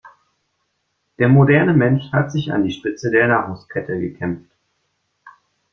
Der moderne Mensch hat sich an die Spitze der Nahrungskette gekämpft.